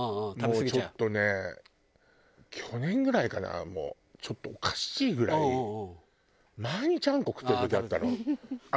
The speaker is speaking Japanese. もうちょっとね去年ぐらいからちょっとおかしいぐらい毎日あんこ食ってる時あったの。